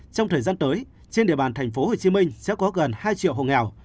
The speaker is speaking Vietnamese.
trong thời gian tới trên địa bàn thành phố hồ chí minh sẽ có gần hai triệu hồ nghèo